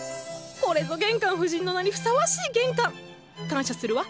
これぞ玄関夫人の名にふさわしい玄関。感謝するわ。